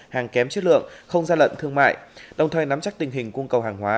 hàng kém chất lượng không gian lận thương mại đồng thời nắm chắc tình hình cung cầu hàng hóa